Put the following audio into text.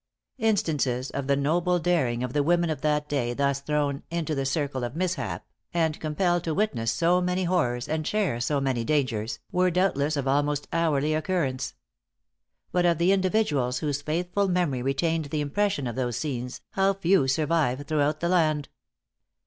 Instances of the noble daring of the women of that day, thus thrown "into the circle of mishap," and compelled to witness so many horrors, and share so many dangers, were doubtless of almost hourly occurrence. But of the individuals whose faithful memory retained the impression of those scenes, how few survive throughout the land!